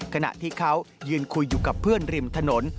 ขณะที่เขายืนคุยอยู่กับเพื่อนริมถนน